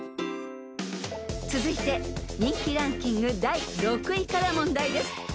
［続いて人気ランキング第６位から問題です］